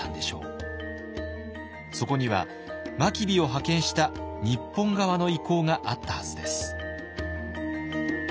そこには真備を派遣した日本側の意向があったはずです。